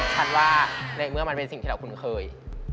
ว่าในเมื่อมันเป็นสิ่งที่เราคุ้นเคย